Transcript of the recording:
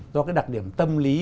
do cái đặc điểm tâm lý